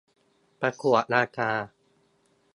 ประกวดราคา